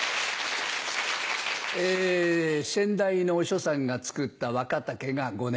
先代のお師匠さんがつくった若竹が５年。